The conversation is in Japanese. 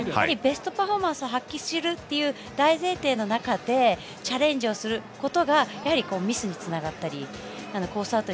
ベストパフォーマンスを発揮するという大前提の中でチャレンジをすることがミスにつながったりコース